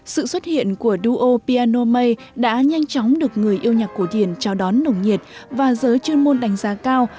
sự xuất hiện của đua piano mê đã nhanh chóng được người yêu nhạc cổ điển trao đón nồng nhiệt và giới chuyên môn đánh giá cao